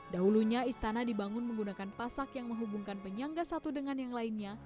dahulunya istana dibangun menggunakan pasak yang menghubungkan penyangga satu dengan yang lainnya